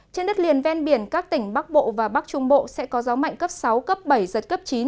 trên đất liền ven biển các tỉnh bắc bộ và bắc trung bộ sẽ có gió mạnh cấp sáu cấp bảy giật cấp chín